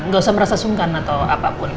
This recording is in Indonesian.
gak usah merasa sungkan atau apapun